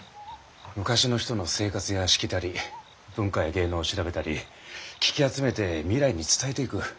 昔の人の生活やしきたり文化や芸能を調べたり聞き集めて未来に伝えていく。